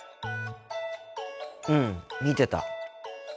うん見てた。